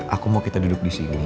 aku mau kita duduk disini